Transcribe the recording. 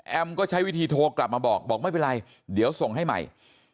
ก็ใช้วิธีโทรกลับมาบอกบอกไม่เป็นไรเดี๋ยวส่งให้ใหม่